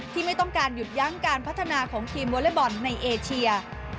ไม่ต้องการหยุดยั้งการพัฒนาของทีมวอเล็กบอลในเอเชีย